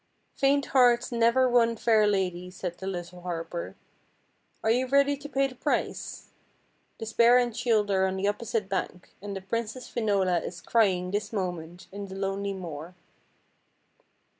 " Faint heart never won fair lady," said the little harper. " Are you ready to pay the price? The spear and shield are on the opposite bank, and the Princess Finola is crying this moment in the lonely moor."